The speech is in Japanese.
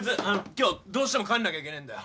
今日どうしても帰んなきゃいけねえんだよ。